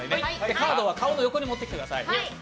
カードは顔の横に持ってきてください。